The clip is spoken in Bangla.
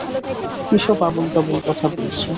কী সব আবোল-তাবোল কথা বলছে।